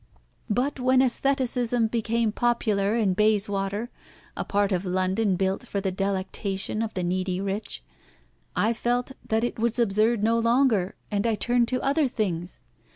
But when æstheticism became popular in Bayswater a part of London built for the delectation of the needy rich I felt that it was absurd no longer, and I turned to other things.